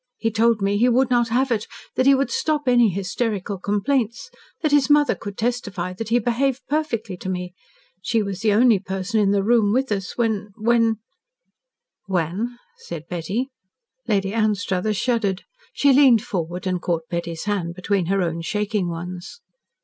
He told me he would not have it that he would stop any hysterical complaints that his mother could testify that he behaved perfectly to me. She was the only person in the room with us when when " "When?" said Betty. Lady Anstruthers shuddered. She leaned forward and caught Betty's hand between her own shaking ones.